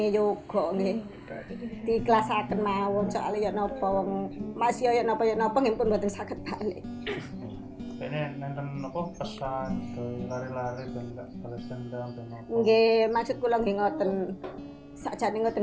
poolah th euros perusahaan